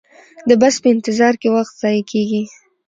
د بس په انتظار کې وخت ضایع کیږي